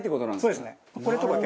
そうですね。